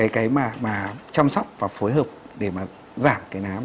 cái mà chăm sóc và phối hợp để mà giảm cái nám